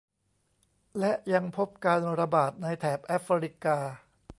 และยังพบการระบาดในแถบแอฟริกา